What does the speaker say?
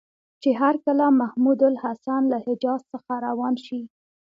چې هرکله محمودالحسن له حجاز څخه روان شي.